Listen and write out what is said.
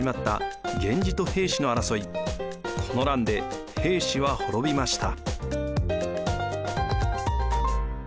この乱で平氏は滅びました。